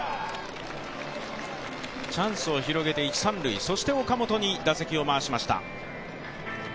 チャンスを広げて一・三塁、そして岡本に打席を渡しました。